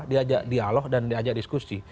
diajak dialog dan diajak diskusi